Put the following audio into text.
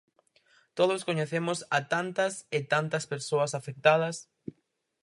Todos coñecemos a tantas e tantas persoas afectadas.